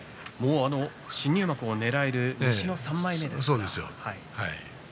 新入幕をねらえる西の３枚目です。